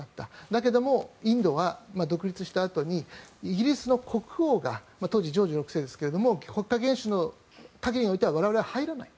だけどもインドは独立したあとにイギリスの国王が当時、ジョージ６世ですが国家元首の限りにおいては我々は入らない。